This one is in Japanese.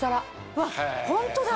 うわっホントだ！